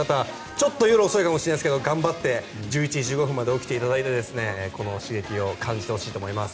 ちょっと夜遅いかもしれないですが頑張って１１時１５分まで起きていただいてこの刺激を感じてほしいと思います。